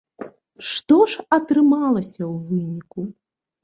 Што ж атрымалася ў выніку?